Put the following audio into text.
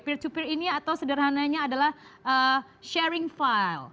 peer to peer ini atau sederhananya adalah sharing file